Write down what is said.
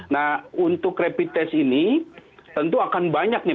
nah untuk rapid test ini tentu akan banyak nih